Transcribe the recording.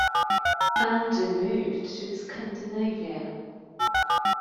Andy moved to Scandinavia.